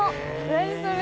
何それ。